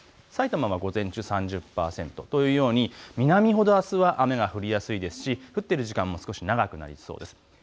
さいたまは午前中３０％というように南ほどあすは雨が降りやすいですし降っている時間も少し長くなりそうです。